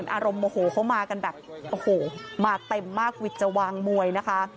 อารมณ์โมโหเขามากันแบบโอ้โหมาเต็มมากวิทย์จะวางมวยนะคะ